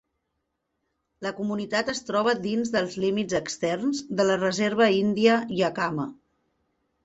La comunitat es troba dins dels límits externs de la reserva índia Yakama.